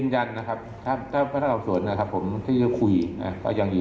ฟังท่านเพิ่มค่ะบอกว่าถ้าผู้ต้องหาหรือว่าคนก่อเหตุฟังอยู่